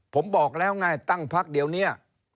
ผมบอกแล้วไงตั้งพักเดี๋ยวเนี่ย